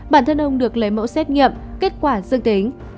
bản thân ông được lấy mẫu xét nghiệm kết quả dương tính